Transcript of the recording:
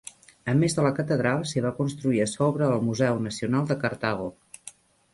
A més de la catedral, s'hi va construir a sobre el Museu Nacional de Cartago.